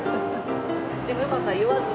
でもよかった酔わずに。